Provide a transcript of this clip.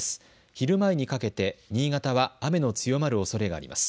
昼前にかけて新潟は雨の強まるおそれがあります。